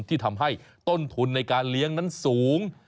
ที่ทำให้ต้นทุนในการเลี้ยงนั้นสูง